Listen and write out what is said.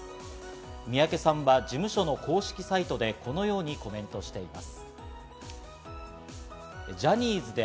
三宅さんは事務所の公式サイトでこのようにコメントしています。